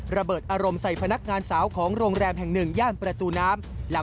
ระเบิดอารมณ์ใส่พนักงานสาวของโรงแรมแห่งหนึ่งย่านประตูน้ำ